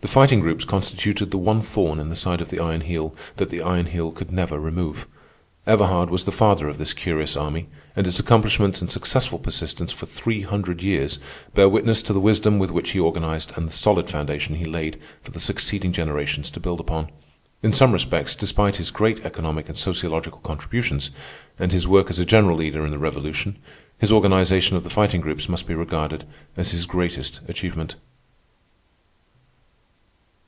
The Fighting Groups constituted the one thorn in the side of the Iron Heel that the Iron Heel could never remove. Everhard was the father of this curious army, and its accomplishments and successful persistence for three hundred years bear witness to the wisdom with which he organized and the solid foundation he laid for the succeeding generations to build upon. In some respects, despite his great economic and sociological contributions, and his work as a general leader in the Revolution, his organization of the Fighting Groups must be regarded as his greatest achievement.